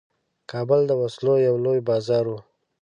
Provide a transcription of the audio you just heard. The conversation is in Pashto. کابل د وسلو یو لوی بازار وو.